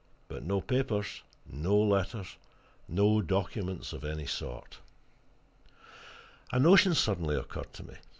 But no papers no letters no documents of any sort." A notion suddenly occurred to me.